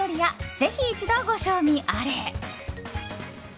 ぜひ一度ご賞味あれ！